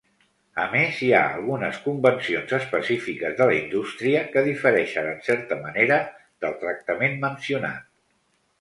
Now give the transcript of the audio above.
A més, hi ha algunes convencions específiques de la indústria que difereixen en certa manera del tractament mencionat.